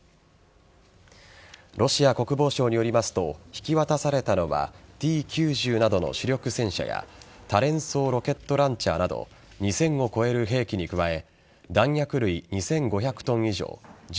ロシア国防省によりますと引き渡されたのはＴ‐９０などの主力戦車や多連装ロケットランチャーなど２０００を超える兵器に加え弾薬類２５００ｔ以上銃